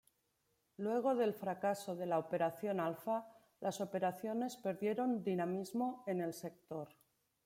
Luego del fracaso de la Operación Alfa, las operaciones perdieron dinamismo en el sector.